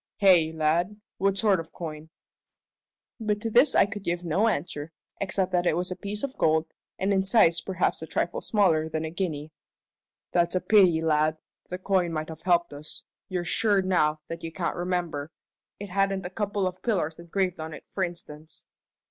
"Hey, lad? What sort of coin?" But to this I could give no answer, except that it was a piece of gold, and in size perhaps a trifle smaller than a guinea. "That's a pity, lad. The coin might have helped us. You're sure now that you can't remember? It hadn't a couple of pillars engraved on it, for instance?"